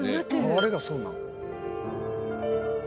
あれがそうなん？